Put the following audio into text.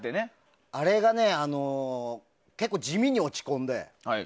あれが結構地味に落ち込んで。